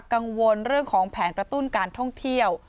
กังวลเรื่องของแผนกระตุ้นการท่องเที่ยว